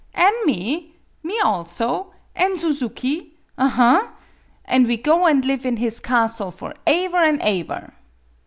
An' me me also; an' Suzuki, aha! An' we go an' live in his castle for aever an' aever!